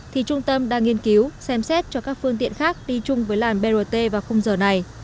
thì trung tâm đang nghiên cứu xem xét cho các phương tiện khác đi chung với làn brt vào khung giờ này